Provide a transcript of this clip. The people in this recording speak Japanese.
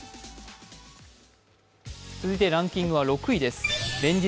続いてランキングは６位です